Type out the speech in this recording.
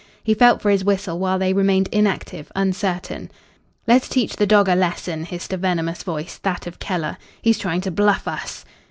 He felt for his whistle while they remained inactive, uncertain. "Let's teach the dog a lesson," hissed a venomous voice that of Keller. "He's trying to bluff us."